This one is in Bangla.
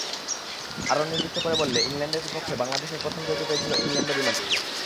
আরও নির্দিষ্ট করে বললে ইংল্যান্ডের বিপক্ষে বাংলাদেশ প্রথম জয়টি পেয়েছিল ইংল্যান্ডেরই মাটিতে।